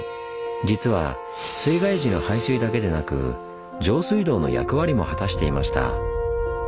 実は水害時の排水だけでなく上水道の役割も果たしていました。